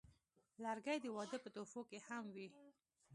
لرګی د واده په تحفو کې هم وي.